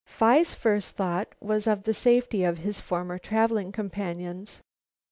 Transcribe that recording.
Phi's first thought was for the safety of his former traveling companions.